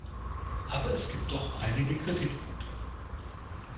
Aber es gibt doch einige Kritikpunkte.